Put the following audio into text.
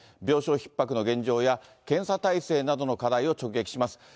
病床ひっ迫の現状や、検査体制などの課題を中継します。